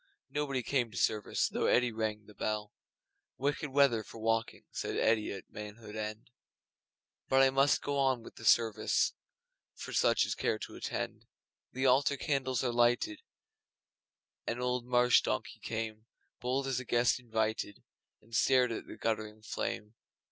Nobody came to service Though Eddi rang the bell. 'Wicked weather for walking,' Said Eddi of Manhood End. 'But I must go on with the service For such as care to attend.' The altar candles were lighted, An old marsh donkey came, Bold as a guest invited, And stared at the guttering flame.